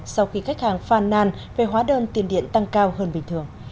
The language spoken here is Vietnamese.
sau khi khách hàng phàn nàn về hóa đơn tiền điện tăng cao hơn bình thường